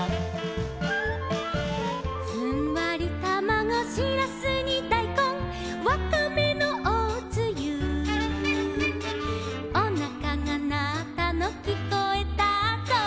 「ふんわりたまご」「しらすにだいこん」「わかめのおつゆ」「おなかがなったのきこえたぞ」